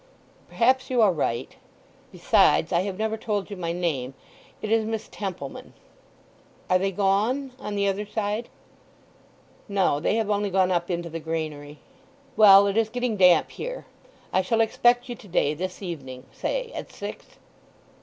"Perhaps you are right.... Besides, I have never told you my name. It is Miss Templeman.... Are they gone—on the other side?" "No. They have only gone up into the granary." "Well, it is getting damp here. I shall expect you to day—this evening, say, at six."